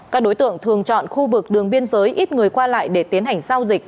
các đối tượng thường chọn khu vực đường biên giới ít người qua lại để tiến hành giao dịch